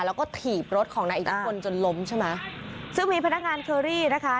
แล้วก็ถีบรถของอีกคนจนล้มใช่มาซึ่งมีพนักงานเคอรี่นะครับ